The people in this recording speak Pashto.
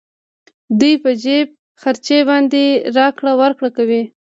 دوی په جېب خرچې باندې راکړه ورکړه کوي